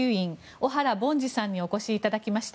小原凡司さんにお越しいただきました。